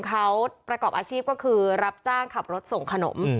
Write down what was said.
เขาประกอบอาชีพก็คือรับจ้างขับรถส่งขนม